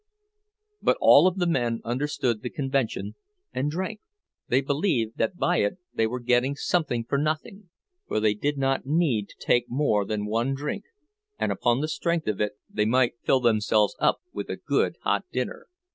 But all of the men understood the convention and drank; they believed that by it they were getting something for nothing—for they did not need to take more than one drink, and upon the strength of it they might fill themselves up with a good hot dinner.